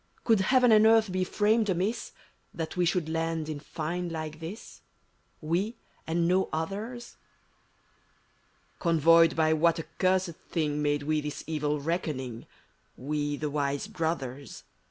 Could heaven and earth be framed amiss, That we should land m fine like this — We, and no others? SECOND VOICE Convoyed by what accursM thmg Made we this evil reckoning — We, the Wise Brothers?